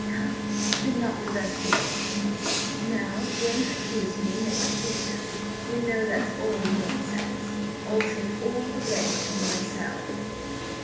Come, had not we best be off? Now don't refuse me and make speeches you know that's all nonsense I'll take all the blame upon myself."